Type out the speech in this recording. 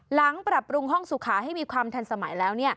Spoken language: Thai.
หลังปรับปรุงห้องสุขาให้มีความทันสมัยแล้ว